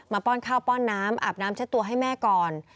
ป้อนข้าวป้อนน้ำอาบน้ำเช็ดตัวให้แม่ก่อน